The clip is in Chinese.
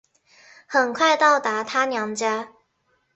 很快到达她娘家